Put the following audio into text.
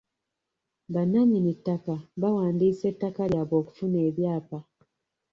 Bannannyini ttaka bawandiisa ettaka lyabwe okufuna ebyapa.